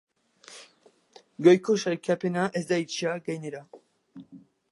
Goiko sailkapena ez da itxia, gainera.